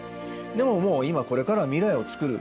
でももう今これからは未来を作る。